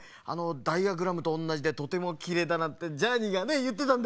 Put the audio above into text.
ダイヤグラムとおんなじでとてもきれいだなんてジャーニーがねいってたんだよね。